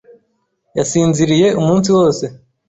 Yasinziriye umunsi wose.